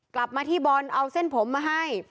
กลับมาที่บอลเอาเส้นผมมาให้